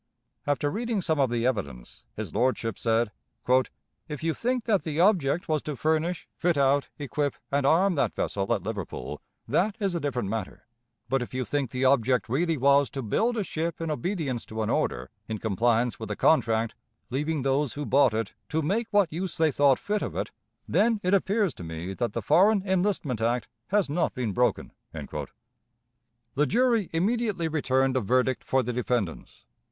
After reading some of the evidence, his lordship said: "If you think that the object was to furnish, fit out, equip, and arm that vessel at Liverpool, that is a different matter; but if you think the object really was to build a ship in obedience to an order, in compliance with a contract, leaving those who bought it to make what use they thought fit of it, then it appears to me that the Foreign Enlistment Act has not been broken." The jury immediately returned a verdict for the defendants.